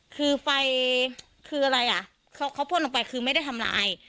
คือไฟคืออะไรอ่ะเขาพ่นลงไปคือไม่ได้ทำลาย